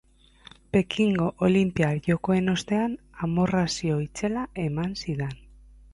Pekingo olinpiar jokoen ostean amorrazio itzela eman zidan.